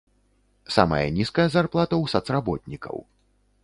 Самая нізкая зарплата ў сацработнікаў.